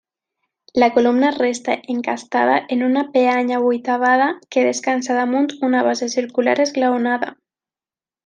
La columna resta encastada en una peanya vuitavada que descansa damunt una base circular esglaonada.